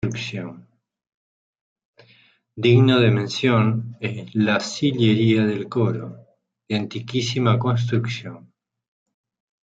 Digno de mención es la sillería del coro, de antiquísima construcción.